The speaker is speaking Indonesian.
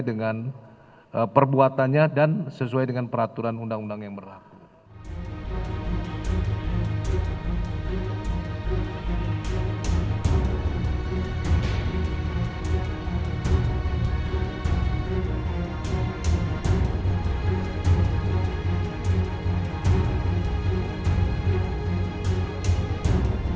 dengan perbuatannya dan sesuai dengan peraturan undang undang yang berlaku